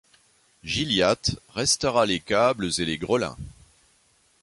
Gilliatt restaura les câbles et les grelins.